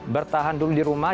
bertahan dulu di rumah